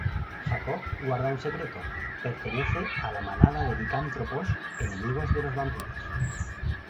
Jacob guarda un secreto: pertenece a la manada de licántropos, enemigos de los vampiros.